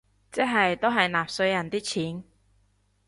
即係都係納稅人啲錢